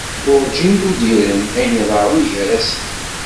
Urǧin d-udiren ayen iḍerrun gar-asen.